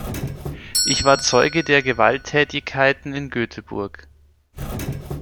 Ich war Zeuge der Gewalttätigkeiten in Göteborg.